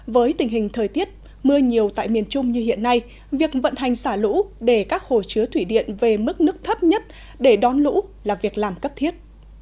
với tình hình thời tiết mưa nhiều tại miền trung như hiện nay việc vận hành xả lũ để các hồ chứa thủy điện về mức nước thấp nhất để đón lũ là việc làm cấp thiết